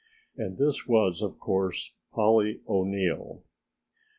And this was of course Polly O'Neill!